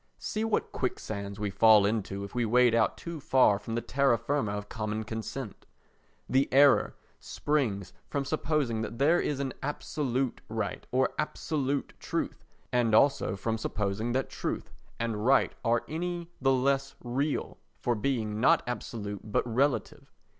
See what quicksands we fall into if we wade out too far from the terra firma of common consent! The error springs from supposing that there is any absolute right or absolute truth, and also from supposing that truth and right are any the less real for being not absolute but relative.